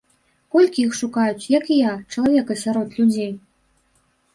Колькі іх шукаюць, як і я, чалавека сярод людзей.